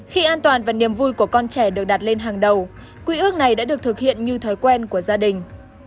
khi an toàn và niềm vui của con trẻ được đặt lên hàng đầu quy ước này đã được thực hiện như thói quen của gia đình